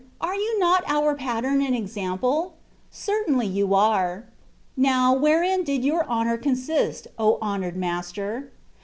are you not our pattern and ex ample ? Certainly you are. Now, wherein did your honour consist, O honoured Master?